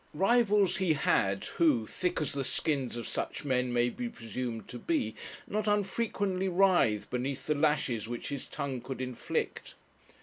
Rivals he had, who, thick as the skins of such men may be presumed to be, not unfrequently writhed beneath the lashes which his tongue could inflict.